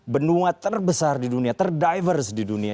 benua terbesar di dunia terdivers di dunia